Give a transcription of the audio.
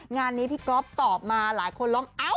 งานนี้พี่ก๊อฟตอบมาหลายคนร้องเอ้า